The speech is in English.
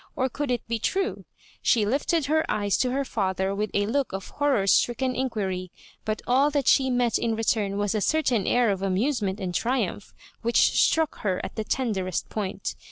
or could it be true? She lifted her eyes to her father with a look of horror stridc en inquiry, but all that the met in return was a certain air of amusement and triumph, which struck her at the tenderest point.